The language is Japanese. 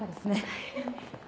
はい！